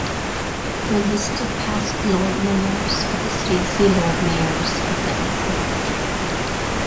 For list of past Lord Mayors of the city see Lord Mayors of Liverpool.